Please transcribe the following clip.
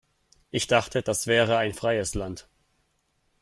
Ich dachte, das wäre ein freies Land.